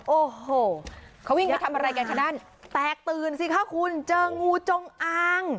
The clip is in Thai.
โอ้โหเขาวิ่งไปทำอะไรกันคะนั่นแตกตื่นสิคะคุณเจองูจงอาง